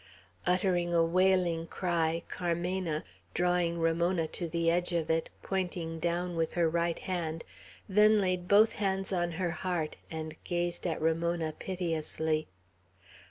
Uttering a wailing cry, Carmena, drawing Ramona to the edge of it, pointing down with her right hand, then laid both hands on her heart, and gazed at Ramona piteously.